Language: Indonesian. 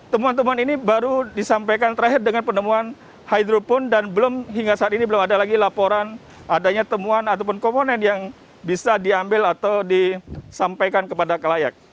temuan temuan ini baru disampaikan terakhir dengan penemuan hydro pun dan belum hingga saat ini belum ada lagi laporan adanya temuan ataupun komponen yang bisa diambil atau disampaikan kepada kelayak